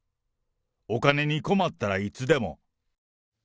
お金に困ったらいつでも。